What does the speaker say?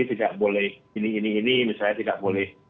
tidak boleh ini ini ini misalnya tidak boleh